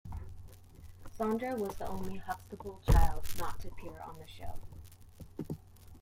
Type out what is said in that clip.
Sondra was the only Huxtable child not to appear on the show.